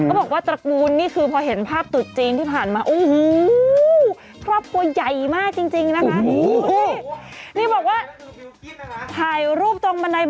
ก็บอกว่าตระกูลนี่คือพอเห็นภาพตุดจีนที่ผ่านมาโอ้โฮ